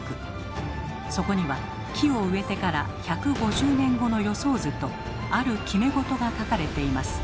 そこには木を植えてから１５０年後の予想図とある決め事が書かれています。